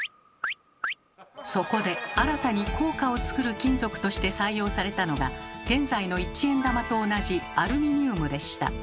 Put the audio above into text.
そこで新たに硬貨をつくる金属として採用されたのが現在の一円玉と同じアルミニウムでした。